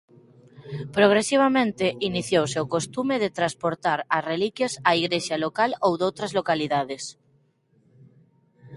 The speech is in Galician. Progresivamente iniciouse o costume de transportar as reliquias á igrexa local ou doutras localidades.